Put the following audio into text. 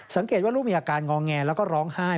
สังเกตว่าลูกมีอาการงอแงแล้วก็ร้องไห้